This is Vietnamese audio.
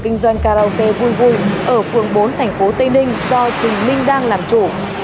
kinh doanh karaoke vui vui ở phường bốn thành phố tây ninh do trình minh đang làm chủ